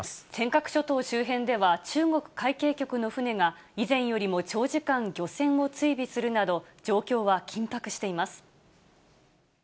尖閣諸島周辺では、中国海警局の船が、以前よりも長時間、漁船を追尾するなど、状況は緊迫しています。